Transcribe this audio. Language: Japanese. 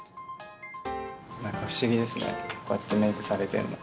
なんか不思議ですね、こうやってメークされてるの。